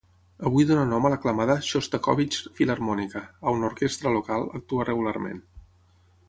Avui dona nom a l'aclamada Xostakóvitx Filharmònica, on l'orquestra local actua regularment.